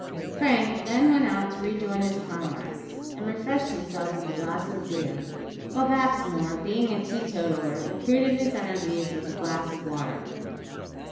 Frank then went out to rejoin his comrades, and refreshed himself with a glass of beer; while Baxmore, being a teetotaller, recruited his energies with a glass of water.